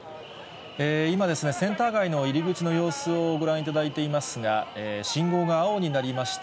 今ですね、センター街の入り口の様子をご覧いただいていますが、信号が青になりました。